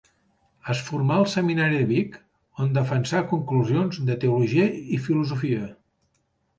Es formà al Seminari de Vic, on defensà conclusions de teologia i filosofia.